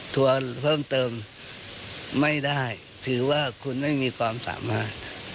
ทัวร์เพิ่มเติมไม่ได้ถือว่าคุณไม่มีความสามารถ